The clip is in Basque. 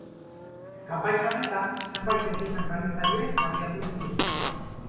Kanpaina honetan, zenbait ekimen berritzaile abiatu dituzte.